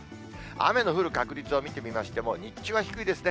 雨の降る確率を見てみましても、日中は低いですね。